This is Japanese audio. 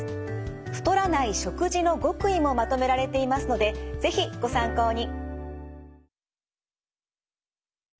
太らない食事の極意もまとめられていますので是非ご参考に。